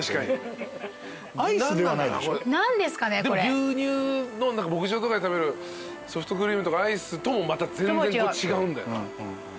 牛乳の牧場とかで食べるソフトクリームとかアイスともまた全然違うんだよな。